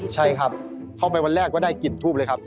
ใช่ครับเข้าไปวันแรกก็ได้กลิ่นทูบเลยครับ